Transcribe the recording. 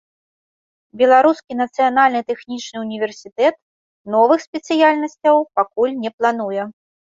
Беларускі нацыянальны тэхнічны ўніверсітэт новых спецыяльнасцяў пакуль не плануе.